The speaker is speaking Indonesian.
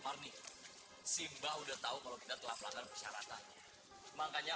umar nih simba sudah tahu kalau kita telah pelanggar pesyarahannya